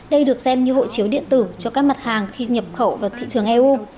đây được xem như hộ chiếu điện tử cho các mặt hàng khi nhập khẩu vào thị trường eu